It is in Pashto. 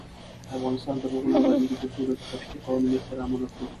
افغانستان تر هغو نه ابادیږي، ترڅو د ترافیکي قوانینو احترام ونکړو.